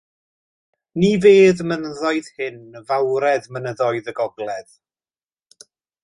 Ni fedd y mynyddoedd hyn fawredd mynyddoedd y gogledd.